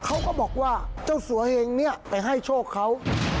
เขาก็บอกว่าเจ้าสัวเหงเนี่ยไปให้โชคเขา